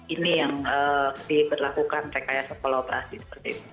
ini yang diberlakukan pks pola operasi seperti ini